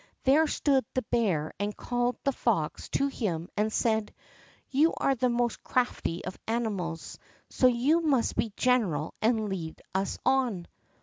There stood the bear and called the fox to him, and said: "You are the most crafty of animals, so you must be general, and lead us on."